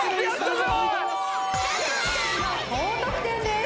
高得点です